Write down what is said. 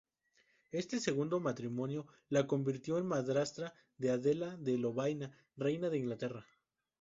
Este segundo matrimonio la convirtió en madrastra de Adela de Lovaina, reina de Inglaterra.